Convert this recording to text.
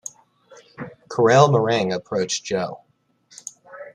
Karel Marang approached Joh.